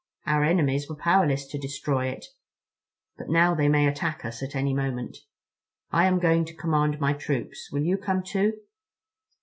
Our enemies were powerless to destroy it. But now they may attack us at any moment. I am going to command my troops. Will you come too?"